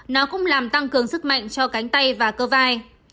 nó cũng làm tăng cường sức mạnh cho cánh tay và cơ vai